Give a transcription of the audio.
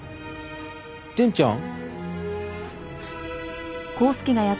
伝ちゃん？